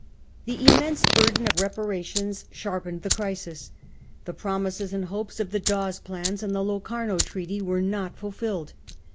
The immense burden of reparations sharpened the crisis. The promises and iiopes of the Dawes Plan and the Locarno Treaty were not fulfilled.